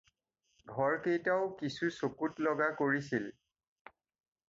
ঘৰকেইটাও কিছু চকুত লগা কৰিছিল।